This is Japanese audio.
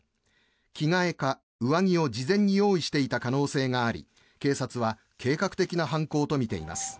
着替えか上着を事前に用意していた可能性があり警察は計画的な犯行とみています。